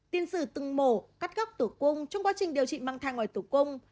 tiền sử từng mổ cắt góc tủ cung trong quá trình điều trị mang thai ngoài tủ cung